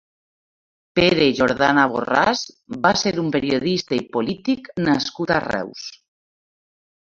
Pere Jordana Borràs va ser un periodista i polític nascut a Reus.